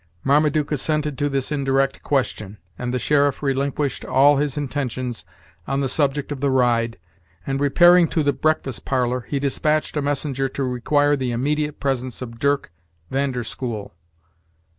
Marmaduke assented to this indirect question, and the sheriff relinquished all his intentions on the subject of the ride, and, repairing to the breakfast parlor, he dispatched a messenger to require the immediate presence of Dirck Van der School.